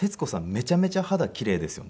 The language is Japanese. めちゃめちゃ肌奇麗ですよね。